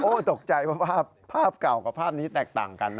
ผมโอ้ตกใจว่าภาพกล่ากับภาพนี้แตกต่างกัน